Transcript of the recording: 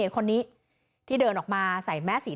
คุยกับตำรวจเนี่ยคุยกับตำรวจเนี่ย